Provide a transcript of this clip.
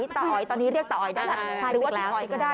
ตาอ๋อยตอนนี้เรียกตาอ๋อยได้หรือว่าสักพันเดียวก็ได้